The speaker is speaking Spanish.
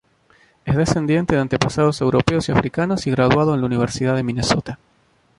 Es descendiente de antepasados europeos y africanos, y graduado en la Universidad de Minnesota.